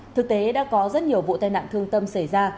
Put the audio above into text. thực tế đã có rất nhiều vụ tai nạn thương tâm xảy ra